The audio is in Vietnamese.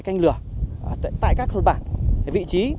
kênh lửa tại các thôn bản vị trí